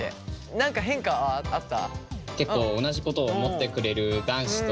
何か変化はあった？